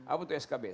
apa itu skb